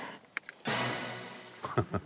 「ハハハハ！」